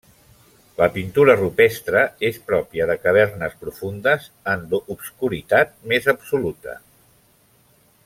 La pintura rupestre és pròpia de cavernes profundes en l'obscuritat més absoluta.